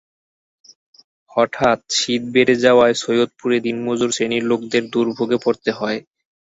হঠাৎ শীত বেড়ে যাওয়ায় সৈয়দপুরে দিনমজুর শ্রেণীর লোকদের দুর্ভোগে পড়তে হয়।